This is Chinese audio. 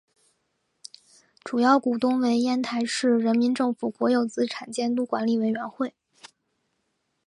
主要股东为烟台市人民政府国有资产监督管理委员会。